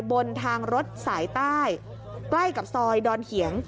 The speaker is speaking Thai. บนทางรถสายใต้ใกล้กับซอยดอนเหียง